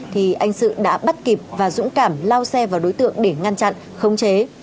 thì anh sự đã bắt kịp và dũng cảm lao xe vào đối tượng để ngăn chặn khống chế